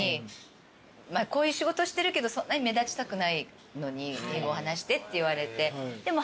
こういう仕事してるけどそんなに目立ちたくないのに「英語話して」って言われてでも。